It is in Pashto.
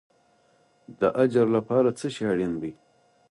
د اجر لپاره څه شی اړین دی؟